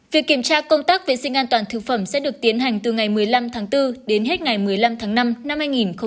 việc kiểm tra công tác vệ sinh an toàn thực phẩm sẽ được tiến hành từ ngày một mươi năm tháng bốn đến hết ngày một mươi năm tháng năm năm hai nghìn hai mươi